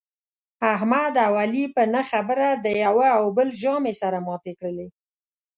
احمد او علي په نه خبره د یوه او بل زامې سره ماتې کړلې.